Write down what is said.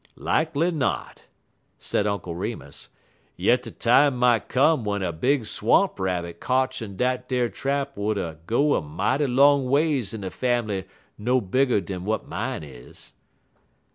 "Likely not," said Uncle Remus, "yet de time mought come w'en a big swamp rabbit kotch in dat ar trap would go a mighty long ways in a fambly no bigger dan w'at mine is."